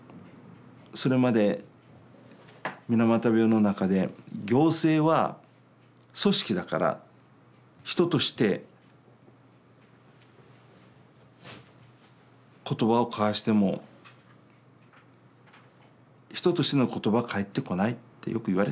それまで水俣病の中で行政は組織だから人として言葉を交わしても人としての言葉は返ってこないってよく言われてました。